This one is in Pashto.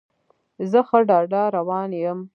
زه ښه ډاډه روان یم.